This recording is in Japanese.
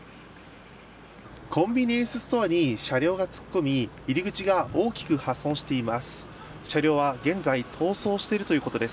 コンビニエンスストアに車両が突っ込み入り口が大きく破損しています。